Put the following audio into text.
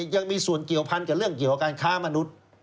ยังมีส่วนเกี่ยวพันกับเรื่องเกี่ยวกับการค้ามนุษย์